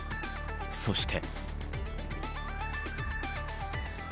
そして。